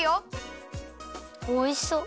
おいしそう！